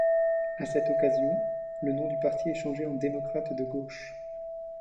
À cette occasion, le nom du parti est changé en Démocrates de gauche.